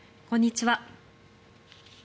こんにちは。